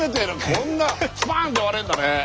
こんなスパンって割れるんだね。